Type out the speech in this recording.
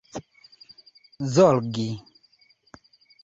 zorgi